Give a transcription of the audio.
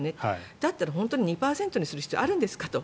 だったら２％にする必要があるんですかと。